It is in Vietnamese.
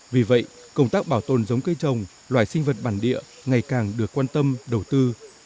vì vậy công tác bảo tồn giống cây trồng loài sinh vật bản địa ngày càng được quan tâm đầu tư